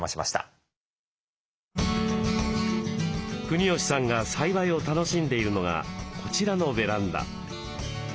国吉さんが栽培を楽しんでいるのがこちらのベランダ。